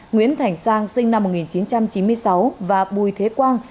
nguyễn thành sang sinh năm một nghìn chín trăm chín mươi sáu và bùi thế quang